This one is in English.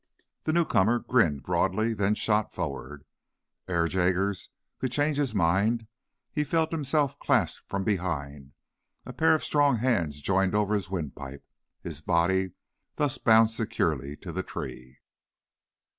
The newcomer grinned broadly, then shot forward. Ere Jaggers could change his mind he felt himself clasped from behind, a pair of strong hands joined over his windpipe, his body thus bound securely to the tree.